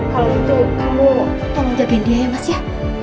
kalau gitu kamu tolong jagain dia ya mas ya